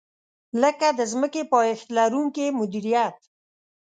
لکه د ځمکې پایښت لرونکې مدیریت.